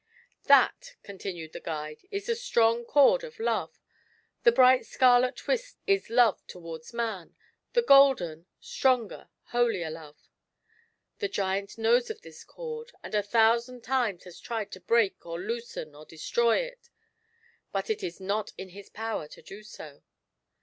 "This," continued the guide, "is the strong cord of Love : the bright scarlet twist is love towards man ; the golden — stronger, holier love. The giant knows of this cord, and a thousand times has tried to break, or loosen, or destroy it ; but it is not in his power to do so.